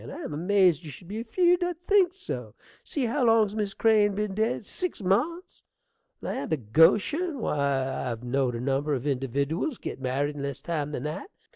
I am amazed you should be afeerd I'd think so. See how long's Miss Crane been dead? Six months! land o' Goshen! why, I've know'd a number of individdiwals get married in less time than that.